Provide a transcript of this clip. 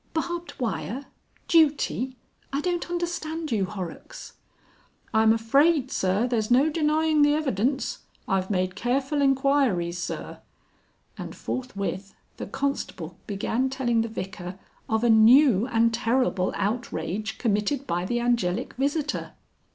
"Barbed wire! Duty! I don't understand you, Horrocks." "I'm afraid, Sir, there's no denying the evidence. I've made careful enquiries, Sir." And forthwith the constable began telling the Vicar of a new and terrible outrage committed by the Angelic visitor.